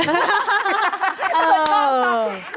เผื่อชอบ